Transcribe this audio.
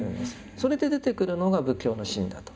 それで出てくるのが仏教の信だと。